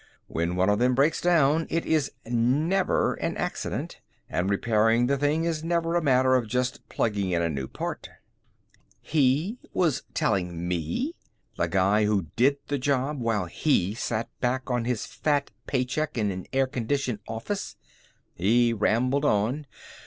When one of them breaks down, it is never an accident, and repairing the thing is never a matter of just plugging in a new part." He was telling me the guy who did the job while he sat back on his fat paycheck in an air conditioned office. He rambled on.